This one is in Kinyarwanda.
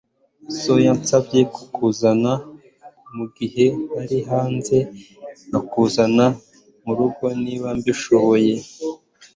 So yansabye kugushakisha mugihe nari hanze, nkakuzana murugo niba mbishoboye.